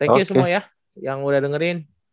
thank you semua ya yang udah dengerin